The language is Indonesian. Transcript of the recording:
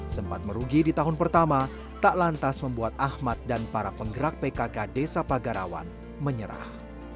sempat merugi di tahun pertama tak lantas membuat ahmad dan para penggerak pkk desa pagarawan menyerah